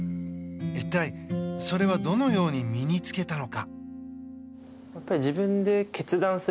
一体それはどのように身に付けたのか。